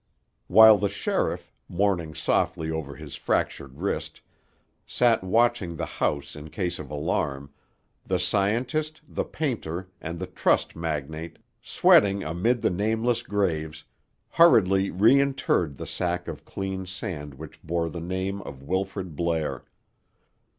While the sheriff, mourning softly over his fractured wrist, sat watching the house in case of alarm, the scientist, the painter, and the trust magnate, sweating amid the nameless graves, hurriedly reinterred the sack of clean sand which bore the name of Wilfrid Blair.